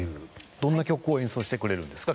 どんな曲を演奏してくれるんですか？